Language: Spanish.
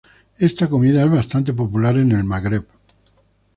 Esta comida es bastante popular en el Magreb.